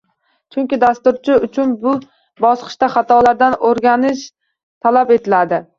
Chunki dasturchi uchun bu bosqichda xatolardan o’rganish talab etiladi